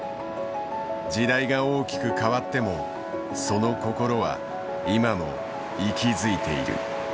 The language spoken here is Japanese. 時代が大きく変わってもその心は今も息づいている。